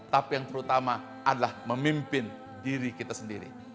tapi yang terutama adalah memimpin diri kita sendiri